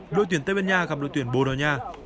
đội tuyển tây ban nha gặp đội tuyển bồ đào nha